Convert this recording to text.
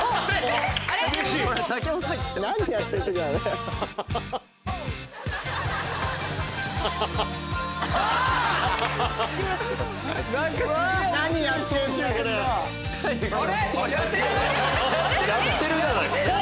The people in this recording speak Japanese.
やってるじゃないっすか。